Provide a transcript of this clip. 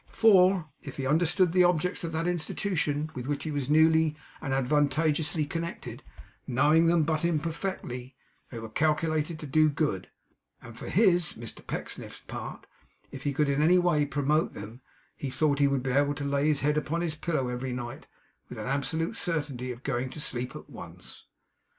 For, if he understood the objects of that Institution with which he was newly and advantageously connected knowing them but imperfectly they were calculated to do Good; and for his (Mr Pecksniff's) part, if he could in any way promote them, he thought he would be able to lay his head upon his pillow every night, with an absolute certainty of going to sleep at once.